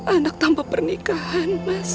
anak tanpa pernikahan mas